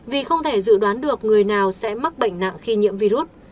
vì không thể dự đoán được người nào sẽ mắc bệnh nặng khi nhiễm virus